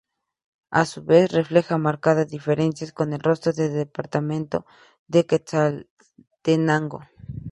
A su vez, refleja marcada diferencia con el resto del departamento de Quetzaltenango.